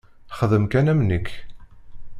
Xdem kan am nekk.